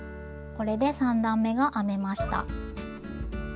これで３段めが編めました。